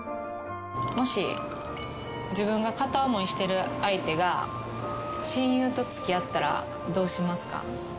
もし自分が片思いしてる相手が親友と付き合ったらどうしますか？